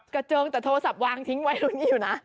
เจิงแต่โทรศัพท์วางทิ้งไว้ตรงนี้อยู่นะ